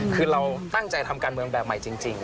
คือเราตั้งใจทำการเมืองแบบใหม่จริง